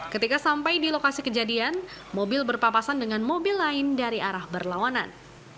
ketika sampai di lokasi kejadian mobil berpapasan dengan mobil lain dari arah berlawanan